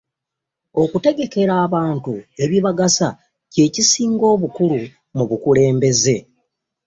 Okutegekera abantu ebibagasa kye kisinga obukulu mu bukulembeze.